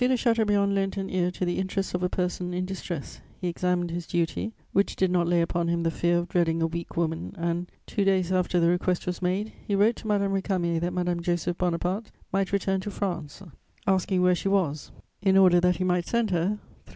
de Chateaubriand lent an ear to the interests of a person in distress; he examined his duty, which did not lay upon him the fear of dreading a weak woman, and, two days after the request was made, he wrote to Madame Récamier that Madame Joseph Bonaparte might return to France, asking where she was, in order that he might send her, through M.